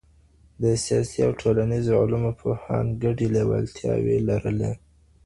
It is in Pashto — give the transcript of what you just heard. د سياسي او ټولنيزو علومو پوهان ګډي لېوالتياوي لري.